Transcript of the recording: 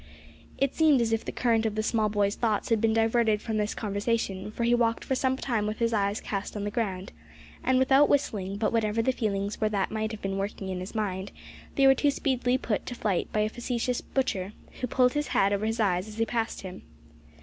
It seemed as if the current of the small boy's thoughts had been diverted by this conversation, for he walked for some time with his eyes cast on the ground, and without whistling, but whatever the feelings were that might have been working in his mind, they were speedily put to flight by a facetious butcher, who pulled his hat over his eyes as he passed him.